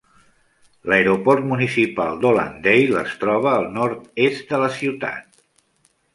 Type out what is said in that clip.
L'aeroport municipal d'Hollandale es troba al nord-est de la ciutat.